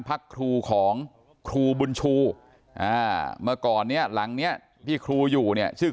พักครูของครูบุญชูเมื่อก่อนเนี้ยหลังเนี้ยที่ครูอยู่เนี่ยชื่อ